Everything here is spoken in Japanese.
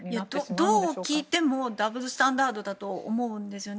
どう聞いてもダブルスタンダードだと思うんですよね。